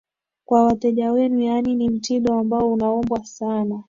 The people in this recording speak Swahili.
kwa wateja wenu yani ni mtindo ambao unaombwa sana